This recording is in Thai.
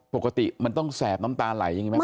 ปกติมันต้องแสบน้ำตาไหลอย่างนี้ไหมครับ